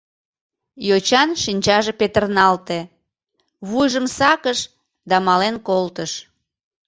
Йочан шинчаже петырналте, вуйжым сакыш да мален колтыш.